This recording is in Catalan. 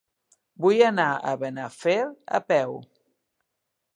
Vull anar a Benafer a peu.